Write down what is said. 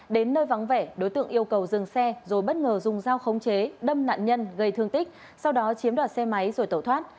đến nơi vắng vẻ đối tượng yêu cầu dừng xe rồi bất ngờ dùng dao khống chế đâm nạn nhân gây thương tích sau đó chiếm đoạt xe máy rồi tẩu thoát